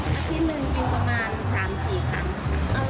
อาทิตย์หนึ่งกินประมาณ๓๔ครั้ง